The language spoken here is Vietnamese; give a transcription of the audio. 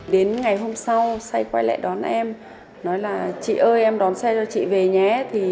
đến ngày hôm sau say quay lại đón em nói là chị ơi em đón xe cho chị về nhà nhé